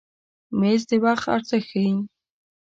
مېز د وخت ارزښت ښیي.